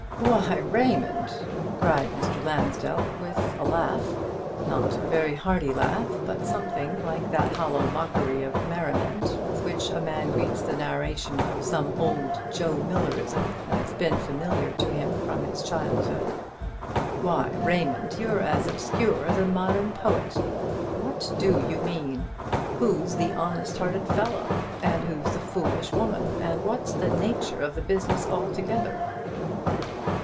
"Why, Raymond," cried Mr. Lansdell, with a laugh, not a very hearty laugh, but something like that hollow mockery of merriment with which a man greets the narration of some old Joe Millerism that has been familiar to him from his childhood, "why, Raymond, you're as obscure as a modern poet! What do you mean? Who's the honest hearted fellow? and who's the foolish woman? and what's the nature of the business altogether?"